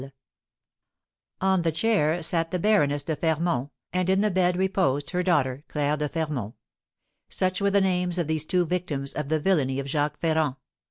"_ On the chair sat the Baroness de Fermont, and in the bed reposed her daughter, Claire de Fermont. Such were the names of these two victims of the villainy of Jacques Ferrand.